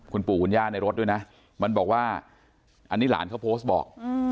คุณปู่คุณย่าในรถด้วยนะมันบอกว่าอันนี้หลานเขาโพสต์บอก